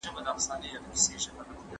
جنګونه د بې اتفاقۍ ثمره ده.